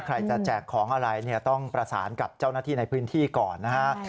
ใครจะแจกของอะไรเนี่ยต้องประสานกับเจ้าหน้าที่ในพื้นที่ก่อนนะฮะ